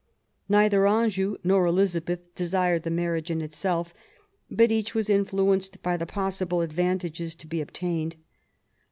Neither Anjou nor Elizabeth desired the marriage in itself; but each was influenced by the possible advantages to be obtained.